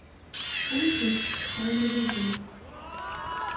Ur asent-ttekkseɣ imrigen.